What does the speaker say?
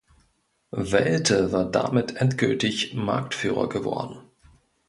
Welte war damit endgültig Marktführer geworden.